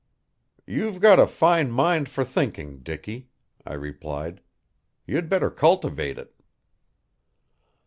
"You've got a fine mind for thinking, Dicky," I replied. "You'd better cultivate it."